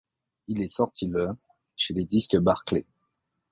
Il est sorti le chez les Disques Barclay.